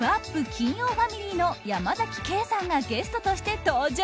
金曜ファミリーの山崎ケイさんがゲストとして登場。